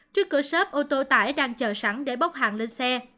trước cửa shop ô tô tải đang chờ sẵn để bốc hàng lên xe